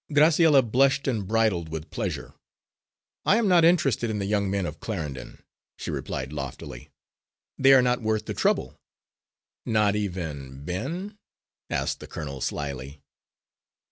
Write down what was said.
Graciella blushed and bridled with pleasure. "I am not interested in the young men of Clarendon," she replied loftily; "they are not worth the trouble." "Not even Ben?" asked the colonel slyly.